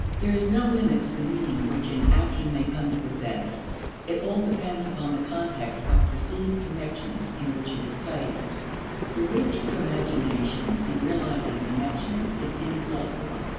There is no limit to the meaning which an action may come to possess. It all depends upon the context of perceived connections in which it is placed; the reach of imagination in realizing connections is inexhaustible.